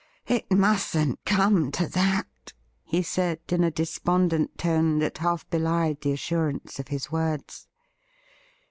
' It mustn't come to that,' he said in a despondent tone that half belied the assurance of his words.